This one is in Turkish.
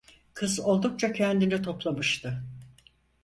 Kız oldukça kendini toplamıştı.